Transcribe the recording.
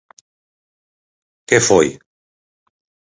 Que foi?